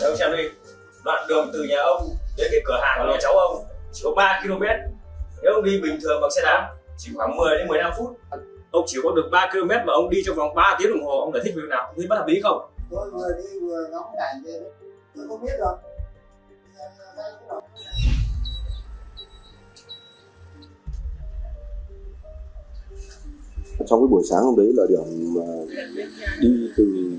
ông đi bình thường bằng xe đám chỉ khoảng một mươi đến một mươi năm phút ông chỉ có được ba km và ông đi trong khoảng ba tiếng đồng hồ ông đã thích việc nào ông thấy bất hợp ý không